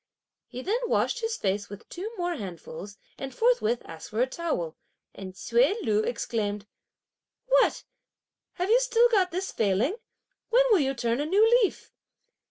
He then washed his face with two more handfuls, and forthwith asked for a towel, and Ts'üi Lü exclaimed: "What! have you still got this failing? when will you turn a new leaf?"